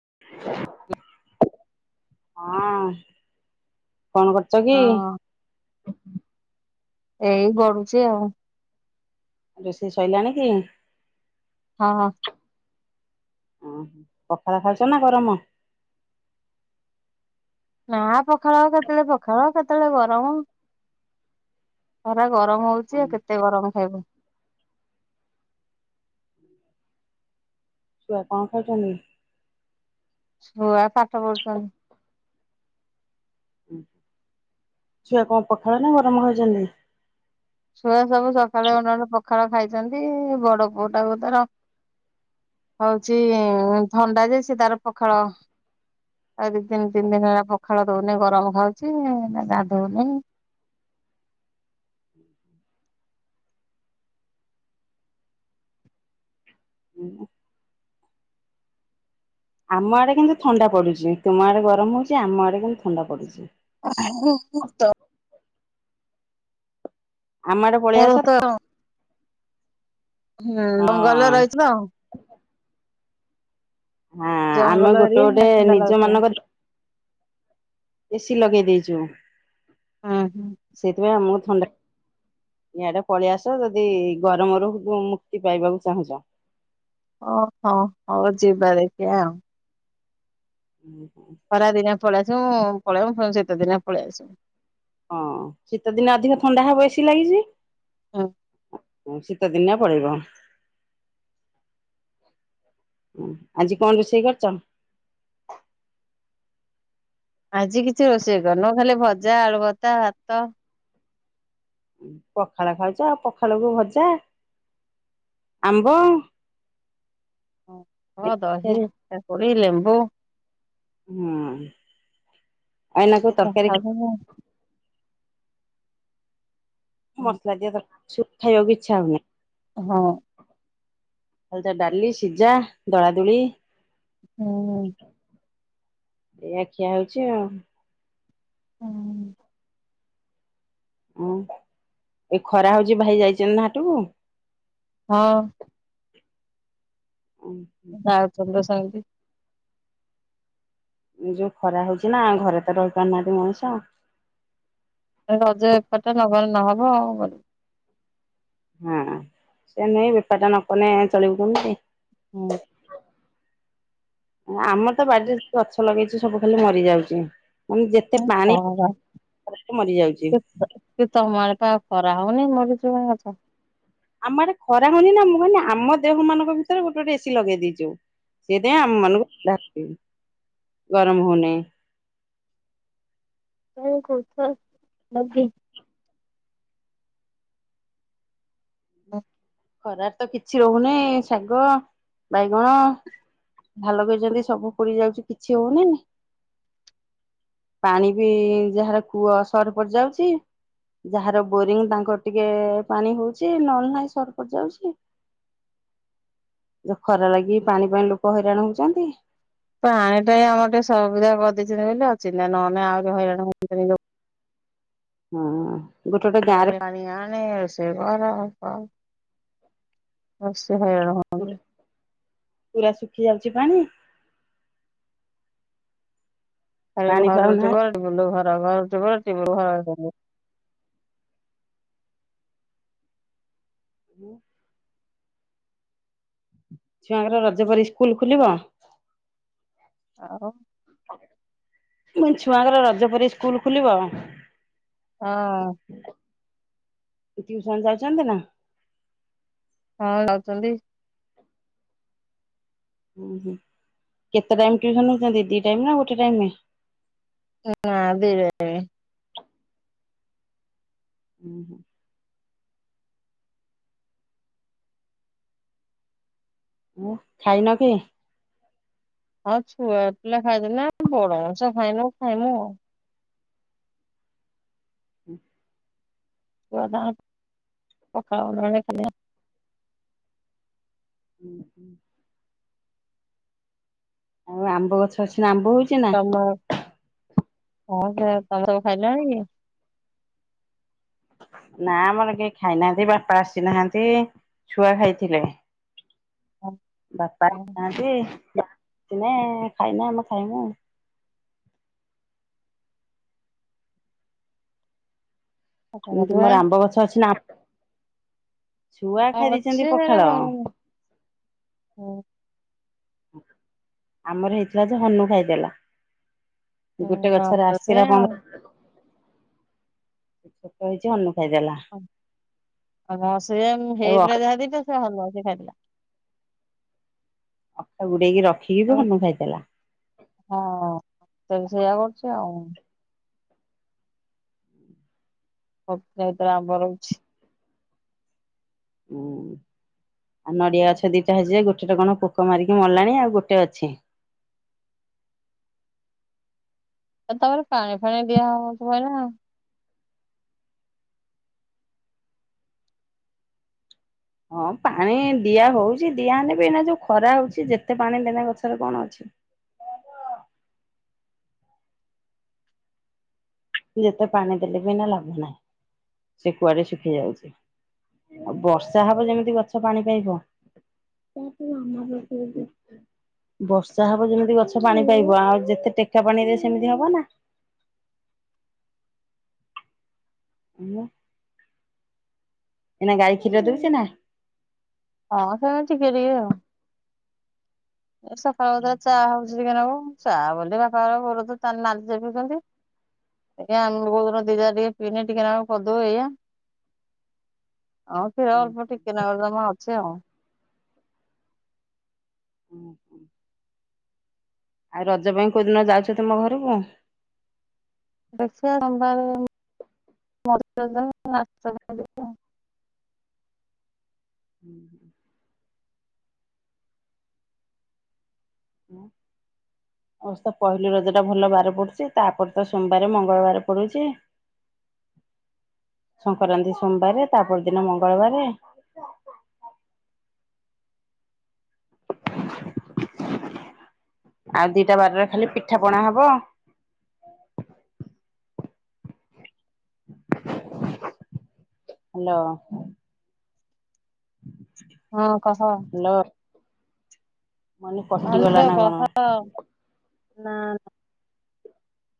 [inaudible] ହଁ। କଣ କରୁଛ କି? ହଁ ଏଇ ଗଢୁଛି ଆଉ ରୋଷେଇ ଶୋଇଲାଣି କି? ହଁ। ଓ ପଖାଳ ଖାଉଛ ନା ଗରମ? ନା ପଖାଳ କେତେବେଳେ ପଖାଳ କେତେବେଳେ ଗରମ। ଖରା ଗରମ ହଉଛି ଆଉ କେତେ ଗରମ ଖାଇବ। ଛୁଆ କଣ ଖାଇଛନ୍ତି? ଛୁଆ ପାଠ ପଢୁଛନ୍ତି। ହୁଁ ଛୁଆ କଣ ପଖାଳ ନା ଗରମ ଖାଇଛନ୍ତି? ଛୁଆ ସବୁ ସକାଳେ ଗଣ୍ଡେ ଗଣ୍ଡେ ପଖାଳ ପଖାଳ ଖାଇଛନ୍ତି ବଡ ପୁଅଟାକୁ ତାର ହଉଛି ଥଣ୍ଡା ଯେ ସେ ତାର ପଖାଳ ଦି ଦିନ ତିନି ଦିନ ହେଲା ପଖାଳ ଦଉନି ଗରମ ଖାଉଛି ନା ଗାଧଉନେଇ ଆମ ଆଡେ କିନ୍ତୁ ଥଣ୍ଡା ପଡୁଛି ତୁମ ଆଡେ ଗରମ ହଉଛି ଆମ ଆଡେ କିନ୍ତୁ ଥଣ୍ଡା ପଡୁଛି। [unintelligible] ଆମ ଆଡେ ପଳେଇଆସ ହୁଁ ବଙ୍ଗଲରେ ରହିଛ ତ। ହଁ ଆମେ ଜଙ୍ଗଲ ଗୋଟେ ଗୋଟେ ଏରିଆ ଥଣ୍ଡା ନିଜ ଲାଗୁଥିବ ମାନଙ୍କ ଏସି ଲଗେଇ ଦେଇଚୁ। ହୁଁ ହୁଁ ସେଇଥିପାଇଁ ଆମକୁ ଥଣ୍ଡା ଇଆଡେ ପଳେଇ ଆସ ଯଦି ଗରମରୁ ମୁକ୍ତି ପାଇବାକୁ ଚାହୁଁଛ। ଓହୋ ହଉ ଯିବା ଦେଖିଆ ଆଉ। ହୁଁ। ଖରା ଦିନିଆ ପଳେଇ ଆସୁ ପଳେଇବୁ ଶୀତ ଦିନେ ପଳେଇ ଆସିବୁ। ହଁ ଶୀତ ଦିନେ ଅଧିକ ଥଣ୍ଡା ହବ ଏସି ଲାଗିଛି ହଁ ଶୀତ ଶୀତ ଦିନିଆ ପଳେଇବ ହୁଁ ଆଜି କଣ ରୋଷେଇ କରିଛ? ଆଜି କିଛି ରୋଷେଇ କରିନୁ ଖାଲି ଭଜା ଆଳୁ ଭର୍ତା ଭାତ ପଖାଳ ଖାଉଛ ଆ ପଖାଳକୁ ଭଜା ଆମ୍ବ ହଁ ହଁ ଦହି ହି ଲେମ୍ବୁ ହୁଁ। ଏଇନାକୁ ସେତେ ତ ତରକାରୀ ଖାଉଛନ୍ତି ଆଉ। ମସଲା ଦିଆ ତରକାରୀ ଖାଇବାକୁ ଇଚ୍ଛା ହଉନି। ହୁଁ ଆଉ ଯାହା ଡାଲି, ସିଝ, ଦଳାଦୁଳି ହୁଁ। ଏୟା ଖିଆ ହଉଛି ଆଉ। ହୁଁ। ଓ ଏ ଖରା ହଉଛି ଭାଇ ଯାଇଛନ୍ତି ନା ହାଟକୁ? ହଁ। [inaudible] [unintelligible] [unintelligible] ଏ ଯୋଉ ଖରା ହଉଛି ନା ଘରେ ତ ରହିପାରୁନାହାଁନ୍ତି ମଣିଷ। ଖାଲି ରଜ ଏପଟେ ନଗଲେ ନହବ। [unintelligible] ହଁ ସେ ନେଇ ବେପାର ଟା ନକଲେ ଚଳିବୁ କେମିତି। ହୁଁ। ଆମର ତ ବାଡିରେ ଗଛ ଲଗେଇଛୁ ସବୁ ଖାଲି ମରି ଯାଉଛି। [unintelligible] ମରିଯାଉଛି। କି ତମ ଆଡେ ପା ଖରା। [unintelligible] ଆମ ଆଡେ ଖରା ହଉନି ନା ମୁଁ କହିଲି ଆମ ଦେହ ମାନଙ୍କ ଭିତରେ ଗୋଟେ ଗୋଟେ ଏସିି ଲଗେଇ ଦେଇଛୁ। ସେଥିପାଇଁ ଆମ ମାନଙ୍କୁ। [unintelligible] ଗରମ ହୋଉନି। [unintelligible] [inaudible] ଖରାରେ ତ କିଛି ରହୁନି ଶାଗ ବାଇଗଣ ଯାହା ଲଗେଇଛନ୍ତି ସବୁ ପୋଡି ଯାଉଛି କିଛି ହଉନି। ପାଣି ବି ଯାହାର କୂଅ ସଟ ପଡି ଯାଉଛି ଯାହାର ବୋରିଂ ତାଙ୍କର ଟିକେ ପାଣି ହଉଛି ନହେଲେ ନାଁଇ ସ ଯା। ଖରା ଲାଗି ପାଣି ପାଇଁ ଲୋକ ହଇରାଣ ହଉଛନ୍ତି। ପାଣି ଟା ଏଇ ଆମର ଟିକେ ସୁବିଧା କରିଦେଇଛନ୍ତି ବୋଲି ଅଚିନ୍ତା। ନହେଲେ ଆହୁରି ହଇରାଣ। [unintelligible] ହଁ। ଗୋଟେ ଗୋଟେ ଗାଁରେ ଖରାରେ ପାଣି ଆଣେ ରୋଷେଇ କର ହସ୍ କେତେ ହଇରାଣ ଗୋଟେ ହଉଛନ୍ତି। ପୁରା ଶୁଖି ଯାଉଛି ପାଣି। ଖାଲି ପାଣି ଘରୁ ପାଉନାହାନ୍ତି ଟିବଲ୍ ଟିବଲ ରୁ ଘର୍। [unintelligible] [inaudible] ଛୁଆଙ୍କର ରଜ ପରେ ସ୍କୁଲ ଖୋଲିବ। ଆଉ ମୁଁ କହିଲି ଛୁଆଙ୍କର ରଜ ପରେ ସ୍କୁଲ ଖୋଲିବ। ହଁ। ଟିଉସନ ଯାଉଛନ୍ତି ନା। ହଁ ଯାଉଛନ୍ତି। କେତେ ଟାଇମ ଟିୟୁସନ୍ ହଉଛନ୍ତି? ଦି ଟାଇମ ନା ଗୋଟେ ଟାଇମ। ନାଁ ଦି ଟାଇମ। [inaudible] ଉଁ ଖାଇନ କି? ଆଉ ଛୁଆ ପିଲା ଖାଇଲେଣି ନା ବଡ ମଣିଷ ଖାଇନୁ ଖାଇନୁ। [inaudible] ଛୁଆ ତାଙ୍କର ପଖାଳ ଗଣ୍ଡେ ଗଣ୍ଡେ ଖାଇ ହୁଁ ହୁଁ। ଆଉ ଆମ୍ବ ଗଛ ଅଛି ନା ଆମ୍ବ। କହୁଛି ନା। ତମ ହଁ ସେ ତମେ ସବୁ ଖାଇଲଣି କି। ନା ଆମର କେହି ଖାଇନାହାନ୍ତି ବାପା ଆସିନାହାନ୍ତି ଛୁଆ ଖାଇଥିଲେ। ବାପା ଆସିନାହାନ୍ତି [unintelligible] ଖାଇନ ଆମେ ଖାଇବୁ ହଁ ଏମତି ମୋର ଆମ୍ବ ଗଛ ଅଛି ନା ଛୁଆ ଖାଇଦେଇଛନ୍ତି ଅଛି ହେରା ପଖାଳ। ଆଉ। ହୁଁ ଆମର ହେଇଥିବା ଯେ ହନୁ ଖାଇଦେଲା। ଗୋଟେ ହୁଁ ଗଛରେ ଆମର ସେୟା ଆସିଥିଲା କଣ ଆଉ। ସେ ଛୋଟ ହେଇଛି ହନୁ ଖାଇଦେଲା ଆସ ହେଇ ତାକୁ ରଜା ଦି ତସ ହଲୁ [unintelligible] ଖାଈଦେଲା ଅଖା ଗୁଡେଇକି ରଖ ରଖିକି ହନୁ ଖାଇଦେଲା। ହଁ। ସେ ସେଇୟଆ କରୁଛି ଆଉ। ହ ନ ତ ଆ ବରଛି [unintelligible] ଉୁଁ ଆଉ ନଡିଆ ଗଛ ଦିଟା ହେଇଚିଯେ ଗୋଟେଟା କଣ ପୋକ ମାରିକି ମଲାଣି ଆଉ ଗୋଟେ ଅଛି। ଆ ତମର ପାଣି ଫାଣି ଦିଆ ହଉଥୀବ ନାଆଉ ହଁ ପାଣି ଦିଆ ହଉଛି ଦିଆହଲେ ବି ଏଇନା ଯୋଉ ଖରା ହଉଛି ଯେତେ ପାଣି ଦେନା ଗଛରେ କଣ ଅଛି। ଯେତେ ପାଣି ଦେଲେ ବିନା ଲାଭ ନାହିଁ ସେ କୁଆଡେ ଶୁଖି ଯାଉଛି ଆଉ ବର୍ଷା ହବ ଯେମିତି ଗଛ ପାଣି ପାଇବ ବର୍ଷା ହବ ଯେମିତି ଗଛ ପାଣି ପାଇବ ଆଉ ଯେତେ ଟେକା ପାଣି ଦ ସେମିତି ହବ ନା। ଏନା ଏନା ଗାଈ ଖୀର ଦଉଛେ ନା। ହଁ ସେମଛି ଟିକେ ଟିକେ ଆଉ ଏ ସକାଳ ପତ ଚା ହଉଛିିକନା କ ଚା ବୋଲି [unintelligible] ବାପା ବୋଲୁ ତାଲେ ନାଲି ଚପିଉଛନ୍ତି ଆ ଆମ ବୋଉ ଦିନ ଦି ଯା ଟିକେ ପି ଟିକେେ କରିଦବୁ ଏୟା ହଁ କ୍ଷୀର ଅଳ୍ପ ଟିକେ ନାକୁର ଜମା ଅଛି ଆଉ। ହୁଁ ହୁଁ [inaudible] ଆଉ ରଜ ପାଇଁ କୋଉ ଦିନ ଯାଉଛ ତମ ଘରକୁ। ଦେଖିବା ମ [inaudible] ହୁଁ [inaudible] ପହିଲି ରଜ ଟା ଭଲ ବାର ପଡୁଛି ତାପରେ ତ ସୋମବାରେ ମଙ୍ଗଳବାରେ ପଡୁଛି ସଂକ୍ରାନ୍ତି ସୋମବାର ତାପରେ ଦିନ ମଙ୍ଗଳବାରେ ଆଉ ଦିଟା ବାରରେ ଖାଲି ପିଠା ପଣା ହବ ହାଲୋ, ହଁ କହ, ହ୍ୟାଲୋ ମାନେ କଟିଗଲା ଆଲୋ ନା କଣ? କହ? ନା,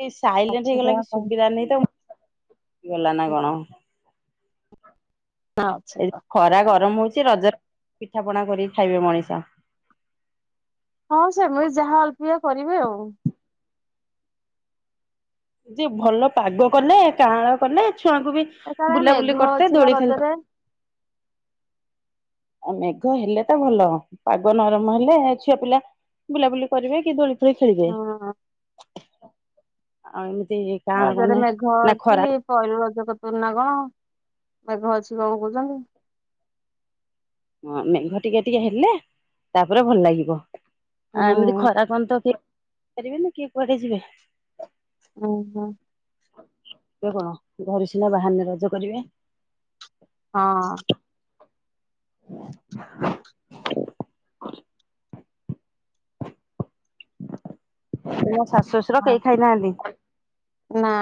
ସେ ସାଇଲେଣ୍ଟ୍ ଅଛି ହେଇଗଲା ଯାହା କି କହ ସୁବିଲାନିତ ଗଲା ନା କଣ? ନା ଅଛି ଏ କହ। ଖରା ଗରମ ହଉଚି। କିଛି ରଜରେ ପିଠା ପଣା କରି ଖାଇବେ ମଣିଷ। ହଁ ସେ ମୁଇ ଯାହା ଅଳ୍ପ କରିବି ଆଉ। ଯେ ଭଲ ପାଗ କଲେ କଅଁଳା କଲେ ଛୁଆଙ୍କୁ ବି ଏ କାଳେ ମେଘ ବୁଲାବୁଲି କରିଥା, ଅଛି ବା ଦୋଳି ଖେଳି ରଜରେ। ଆ ମେଘ ହେଲେ ତ ଭଲ। ପାଗ ନରମ ହେଲେ ଛୁଆ ପିଲା ବୁଲାବୁଲି କରିବେ କି ଦୋଳି ଖେଳି ଖେଳିବେ। ହଁ ଆଉ ଏମି ରଜରେ ମେଘ ଅଛି ପହିଲି ରଜ କତୁ ନା କଣ ମେଘ ଅଛି। [unintelligible] କହୁଚନ୍ତି। ହଁ ମେଘ ଟିକେ ଟିକେ ହେଲେ, ତାପରେ ଭଲ ଲାଗିବ। ଆ ଏମିତି ହୁଁ ଖରା କଣ ତ। ଫେରିବେ ନା କିଏ କୁଆଡେ ଯିବେ? ଓହୋ। ଘରୁ ସିନା ବାହାରିଲେ ରଜ କରିବେ। ହଁ। [unintelligible] ଏ ମୋ ଶାଶ ଶଶୁର ହଁ। କେହି ଖାଇନାହାନ୍ତି। ନା।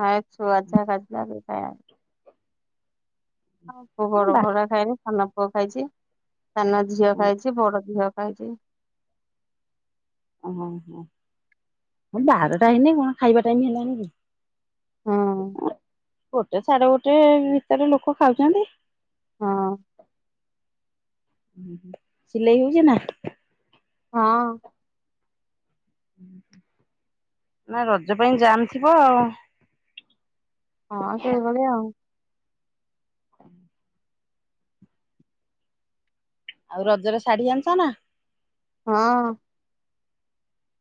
ହଁ ଛୁଆ ତ [unintelligible] ହଁ। ଆଉ [unintelligible] ବା କଣ ଖାଇଚି? ସାନ ଝିଅ ଖାଇଚି, ବଡ ଝିଅ କାଇଚି। ଓହୋ। ହୁଁ ବାରଟା ହେଇନି କଣ ଖାଇବା? ଟାଇମ ହେଲାନି କି? ହୁଁ [unintelligible] ଗୋଟେ ସାଢେ ଗୋଟେ ଭିତରେ ଲୋକ ଖାଉଚନ୍ତି। ହଁ। ଉ, ହୁଁ। ସିଲେଇ ହଉଚିନା? ହଁ। ଉ ହୁଁ। ନା ରଜ ପାଇଁ ଜାମ୍ ଥିବ। ହଁ ସେଇ ଭଳିଆ। ଆଉ ରଜର ଶାଢୀ ଆଣିଚ ନା? ହଁ।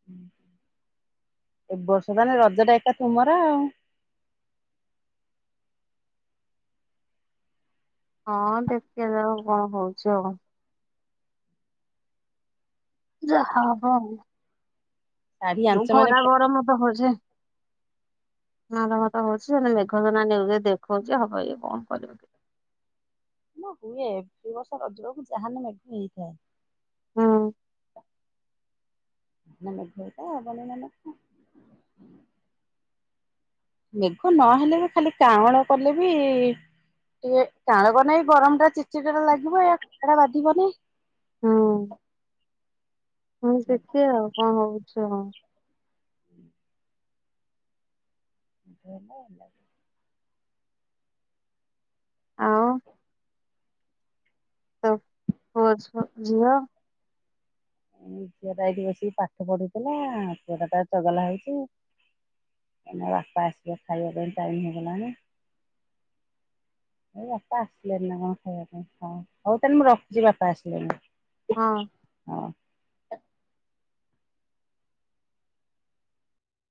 ଉ ହୁଁ। ଏ ବର୍ଷ ତାହେଲେ ରଜ ଟା ଏକା ତୁମରା ଆଉ। ହଁ ଦେଖାଜାଉ କ'ଣ ହଉଛ ଆଉ ଯାହା ହବ ଆଉ। ଶାଢୀ ହଉ ଆଣିଛ ମାନେ ଖରା ଗରମ ତ ହଉଛେ। ଭଲ କଥା ହଉଛି ସେ ମେଘଜନା ନ୍ୟୁଜରେ ଦେଖାଉଛି ହବ ଇଏ କଣ କରିବ କି। ନା ହୁଏ ଦୁଇ ବର୍ଷ ରଜକୁ ଯାହାହେଲେ ମେଘ ହେଇଥାଏ। ହୁଁ। ମେଘଟା [inaudible] ବନ ନ ମେଘ ନହେଲେ ବି ଖାଲି କାଁଳ କଲେ ବି ଟିକେ କାଁଳ କନ ଗରମ ଟା ଚିଚିଟା ଟା ଲାଗିବ ଟା ବାଧିବ ନାହି। ହଁ। ହଁ ଦେଖିଆ ଆଉ କଣ ହଉଚି ଆଚ୍ଛା। ଆଲ ଆଉ [inaudible] ତ ହ ଯିିବା। ଝିଅ ଟା ଏଇଠି ବସିକି ପାଠ ପଢୁଥିଲା ଛୁଅ ଟା ଚଗଲା ହେଇଛି ମ ବାପା ଆସିଲେ ଖାଇବା ପାଇଁ ଟାଇ ହେଇଗଲାଣି ଏ ବାପା ଆସିଲେଣିି ନା କଣ ଖାଇବା ପାଇଁ ହ ହଉ ତାହେଲେ ମୁଁ ରଖୁଛି ବାପା ଆସିଲେଣି ହଁ ହଉ।